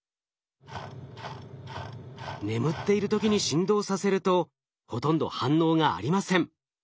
眠っている時に振動させるとほとんど反応がありません。